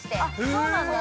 ◆そうなんだね。